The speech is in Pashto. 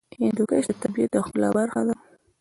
هندوکش د طبیعت د ښکلا برخه ده.